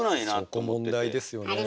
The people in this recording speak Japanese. そこ問題ですよねえ。